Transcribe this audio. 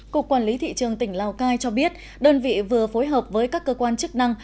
cục quản lý thị trường tỉnh lào cai cho biết đơn vị vừa phối hợp với các cơ quan chức năng